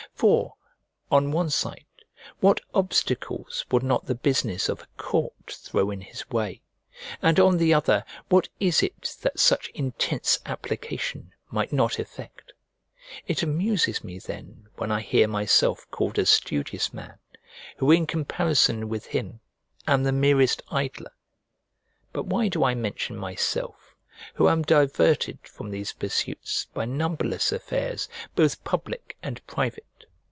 For, on one side, what obstacles would not the business of a court throw in his way? and on the other, what is it that such intense application might not effect? It amuses me then when I hear myself called a studious man, who in comparison with him am the merest idler. But why do I mention myself, who am diverted from these pursuits by numberless affairs both public and private?